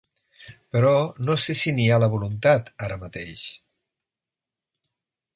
Però no sé si n’hi ha la voluntat, ara mateix.